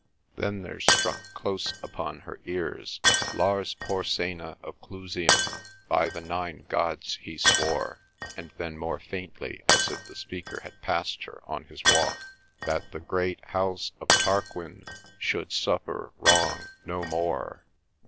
Then there struck close upon her ears— Lars Porsena of Clusium By the nine Gods he swore— and then more faintly, as if the speaker had passed her on his walk— That the Great House of Tarquin Should suffer wrong no more.